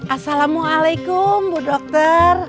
assalamualaikum bu dokter